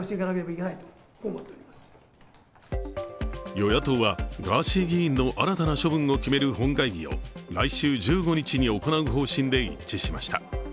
与野党はガーシー議員の新たな処分を決める本会議を来週１５日に行う方針で一致しました。